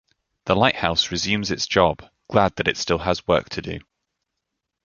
The lighthouse resumes its job, glad that it still has work to do.